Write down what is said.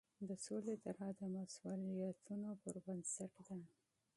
د سولې طرحه د مسوولیتونو پر بنسټ ده.